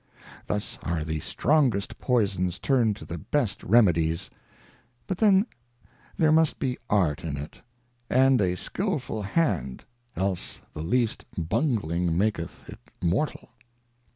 Thus are the strongest Poisons turnM to the best Remedies; but then there must be Art in it, and a skilful Hand, else the least bungling maketh it mortal.